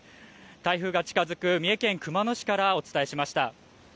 台風が近づく三重県熊野市からお伝えしました。